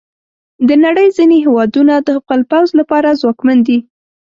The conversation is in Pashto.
د نړۍ ځینې هیوادونه د خپل پوځ لپاره ځواکمن دي.